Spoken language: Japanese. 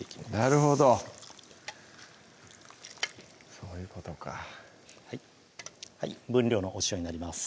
なるほどそういうことかはい分量のお塩になります